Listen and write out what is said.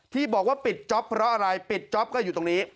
ที่บอกว่าปิดจ๊อปเพราะอะไรปิดจ๊อปก็อยู่ตรงนี้